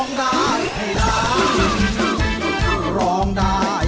เพื่อร้องได้ให้ร้าง